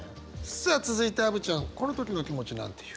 さあ続いてアヴちゃんこの時の気持ちなんて言う？